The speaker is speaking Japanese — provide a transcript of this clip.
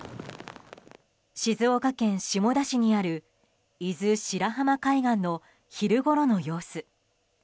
静岡県下田市にある伊豆白浜海岸の昼ごろの様子。